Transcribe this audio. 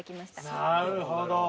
なるほど。